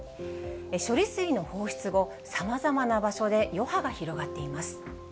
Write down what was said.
処理水の放出後、さまざまな場所で余波が広がっています。